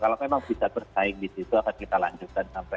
kalau memang bisa bersaing di situ akan kita lanjutkan sampai